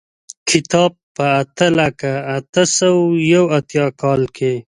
کتاب په اته لکه اته سوه یو اتیا کال کې.